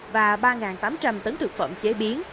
và ba tám trăm linh tấn thực phẩm chế biến